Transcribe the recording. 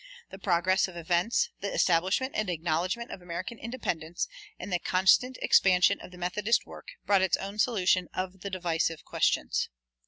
The progress of events, the establishment and acknowledgment of American independence, and the constant expansion of the Methodist work, brought its own solution of the divisive questions.